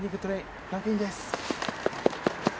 クランクインです